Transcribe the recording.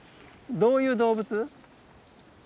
どういう動物？